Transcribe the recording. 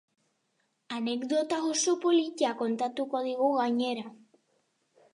Anekdota oso polita kontatuko digu gainera.